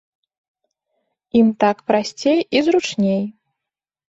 Ім так прасцей і зручней.